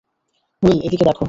Will, এদিকে দেখো।